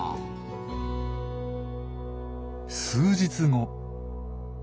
数日後。